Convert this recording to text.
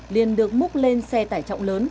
liền được múc lên xe tải trọng lớn